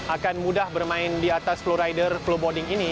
akan mudah bermain di atas kubur